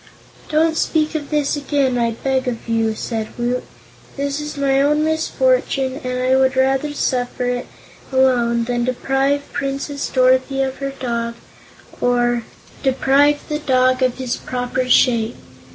"Don't speak of this again, I beg of you," said Woot. "This is my own misfortune and I would rather suffer it alone than deprive Princess Dorothy of her dog, or deprive the dog of his proper shape.